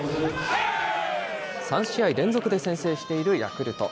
３試合連続で先制しているヤクルト。